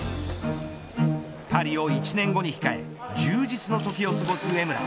パリを１年後に控え充実のときを過ごす江村。